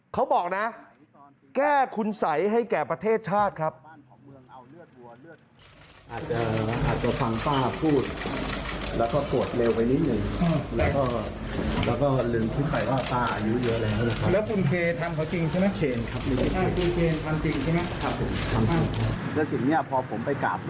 เขาบอกนะแก้คุณสัยให้แก่ประเทศชาติครับ